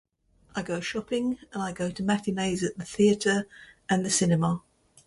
I go shopping, and I go to matinees at the theater and the cinema.